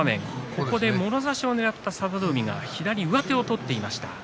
ここでもろ差しをねらった佐田の海が左上手を取っていました。